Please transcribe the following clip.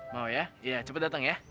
mau ya cepat datang ya